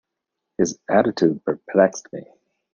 His attitude perplexed me.